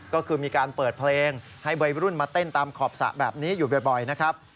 ก็คือมีการเปิดเพลงให้วัยรุ่นมาเต้นตามขอบสระแบบนี้อยู่บ่อยนะครับ